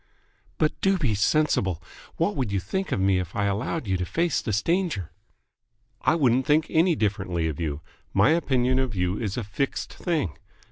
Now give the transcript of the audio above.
"But do be sensible. What would you think of me if I allowed you to face this danger ?" "I wouldn't think any differently of you. My opinion of you is a fixed thing.